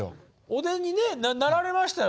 お出にねなられましたよね。